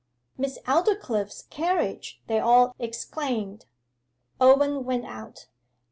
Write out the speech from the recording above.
'Miss Aldclyffe's carriage!' they all exclaimed. Owen went out.